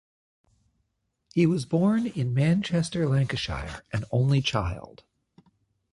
He was born in Manchester, Lancashire, an only child.